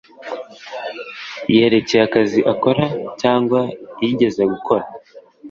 yerekeye akazi akora cyangwa yigeze gukora